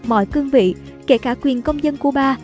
mọi cương vị kể cả quyền công dân cuba